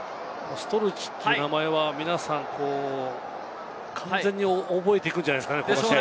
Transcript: ストルチという名前は皆さん、完全に覚えていくんじゃないでしょうかね、この試合。